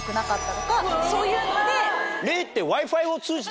とかそういうので。